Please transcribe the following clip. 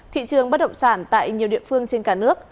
thị trường bất động sản tại nhiều địa phương trên cả nước